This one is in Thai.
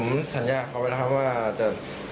ผมสัญญาเขาไปแล้วว่าจะ